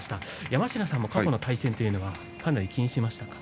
山科さんも過去の対戦というのはかなり気にしましたか？